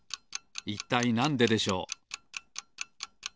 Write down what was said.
いったいなんででしょう？